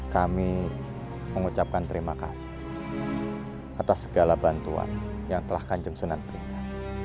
kami mengucapkan terima kasih atas segala bantuan yang telah kanjeng sunan berikan